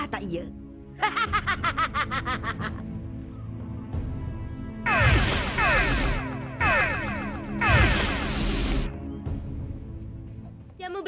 paling tidak mengapa